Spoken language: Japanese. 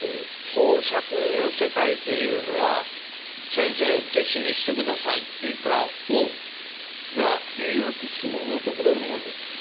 講釈の世界っていうのは「先生弟子にしてください」って言ったら「おうじゃあいいよ」ってそう言うてくれるもんですか？